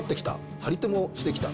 張り手もしてきた。